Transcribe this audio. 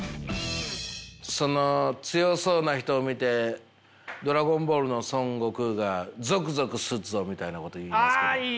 その強そうな人を見て「ドラゴンボール」の孫悟空がぞくぞくすっぞみたいなことを言うじゃないですか。